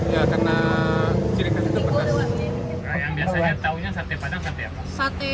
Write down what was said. yang biasanya tahunya sate padang sate apa